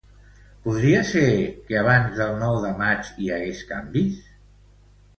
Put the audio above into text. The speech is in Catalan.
Podria ser que abans del nou de maig hi hagués canvis?